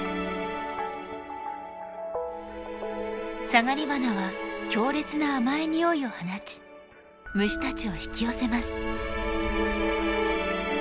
サガリバナは強烈な甘い匂いを放ち虫たちを引き寄せます。